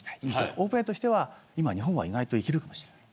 オープンＡＩとしては日本は意外といけるかもしれない。